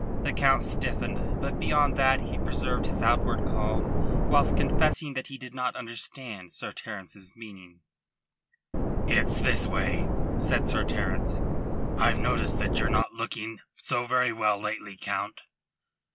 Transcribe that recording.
The Count stiffened; but beyond that he preserved his outward calm whilst confessing that he did not understand Sir Terence's meaning. "It's this way," said Sir Terence. "I've noticed that ye're not looking so very well lately, Count."